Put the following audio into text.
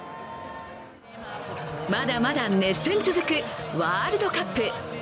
まだまだ熱戦続くワールドカップ。